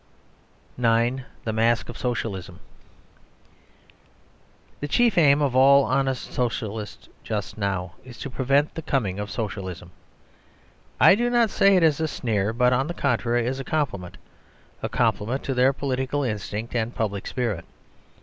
IX. THE MASK OF SOCIALISM The chief aim of all honest Socialists just now is to prevent the coming of Socialism. I do not say it as a sneer, but, on the contrary, as a compliment; a compliment to their political instinct and public spirit.